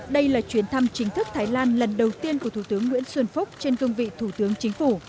đây là chuyến thăm chính thức thái lan lần đầu tiên của thủ tướng nguyễn xuân phúc trên cương vị thủ tướng chính phủ